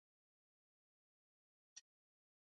اقلیم د افغان ماشومانو د لوبو موضوع ده.